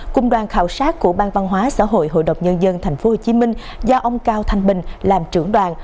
cung đoàn khảo sát của ban văn hóa xã hội hội độc nhân dân tp hcm do ông cao thanh bình làm trưởng đoàn